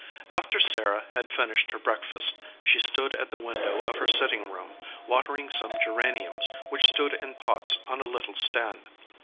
After Sarah had finished her breakfast she stood at the window of her sitting room, watering some geraniums which stood in pots on a little stand.